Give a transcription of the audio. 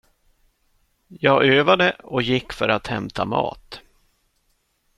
Jag övade och gick för att hämta mat.